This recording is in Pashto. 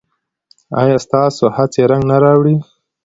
ایا ستاسو هڅې رنګ نه راوړي؟